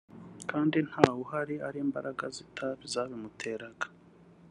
kandi nta wuhari ari imbaraga z’itabi zabimuteraga